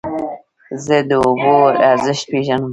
زه د اوبو ارزښت پېژنم.